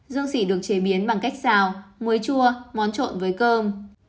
dương sĩ được chế biến bằng cách xào muối chua món trộn với cơm